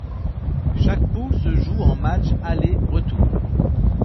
Chaque poule se joue en matchs aller-retour.